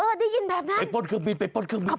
ได้ยินแบบนั้นไปป้นเครื่องบินไปป้นเครื่องบิน